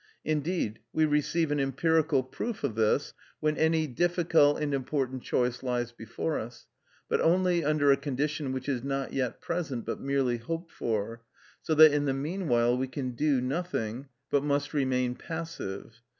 Indeed, we receive an empirical proof of this when any difficult and important choice lies before us, but only under a condition which is not yet present, but merely hoped for, so that in the meanwhile we can do nothing, but must remain passive.